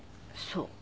そう。